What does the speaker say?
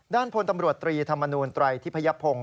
พลตำรวจตรีธรรมนูลไตรทิพยพงศ์